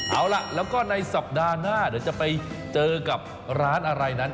เอาล่ะแล้วก็ในสัปดาห์หน้าเดี๋ยวจะไปเจอกับร้านอะไรนั้น